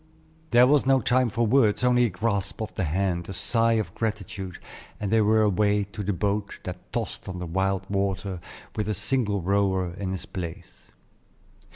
There was no time for words, only a grasp of the hand, a sigh of gratitude, and they were away to the boat that tossed on the wild water with a single rower in his place.